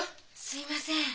すいません。